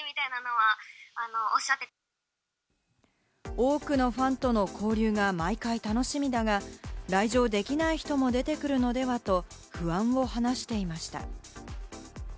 多くのファンとの交流が毎回楽しみだが、来場できない人も出てくるのではと不安を話していました。